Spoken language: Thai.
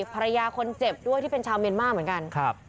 ภรรยาคนเจ็บด้วยที่เป็นชาวเมียนมาร์เหมือนกัน